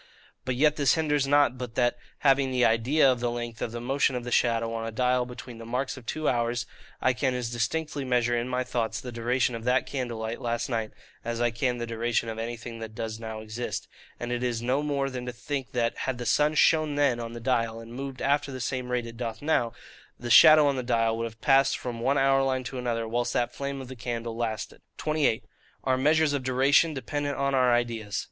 But yet this hinders not but that, having the IDEA of the length of the motion of the shadow on a dial between the marks of two hours, I can as distinctly measure in my thoughts the duration of that candle light last night, as I can the duration of anything that does now exist: and it is no more than to think, that, had the sun shone then on the dial, and moved after the same rate it doth now, the shadow on the dial would have passed from one hour line to another whilst that flame of the candle lasted. 28. Our measures of Duration dependent on our ideas.